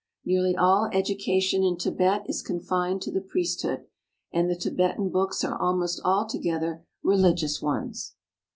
Nearly all education in Tibet is confined to the priesthood, and the Tibetan books are almost altogether religious ones.